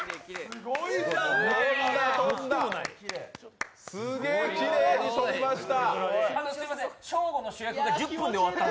すげえきれいに飛びました。